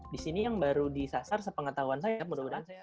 di sini yang baru disasar sepengetahuan saya mudah mudahan